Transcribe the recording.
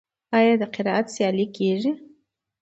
آیا قرائت سیالۍ کیږي؟